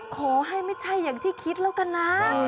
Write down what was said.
ขอให้ไม่ใช่อย่างที่คิดแล้วกันนะ